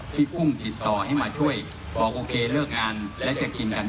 กุ้งติดต่อให้มาช่วยบอกโอเคเลิกงานแล้วจะกินกัน